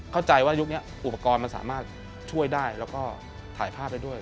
เข้าใจว่ายุคนี้อุปกรณ์มันสามารถช่วยได้แล้วก็ถ่ายภาพไปด้วย